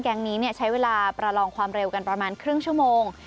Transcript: แก๊งนี้ใช้เวลาประลองความเร็วกันประมาณครึ่งชั่วโมง